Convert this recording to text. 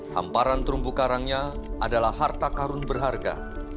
hamparan terumbu karangnya adalah harta karun berharga